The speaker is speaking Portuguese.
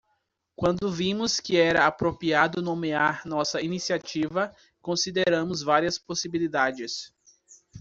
Quando vimos que era apropriado nomear nossa iniciativa, consideramos várias possibilidades.